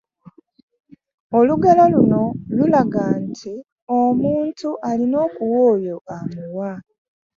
Olugero luno lulaga nti omuntu alina okuwa oyo amuwa.